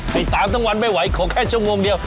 ให้ตามทั้งวันไม่ไหวขอแค่ชั่วโมงเดียว